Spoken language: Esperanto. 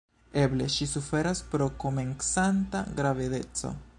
Eble ŝi suferas pro komencanta gravedeco.